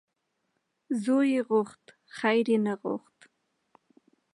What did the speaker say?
ـ زوی یې غوښت خیر یې نه غوښت .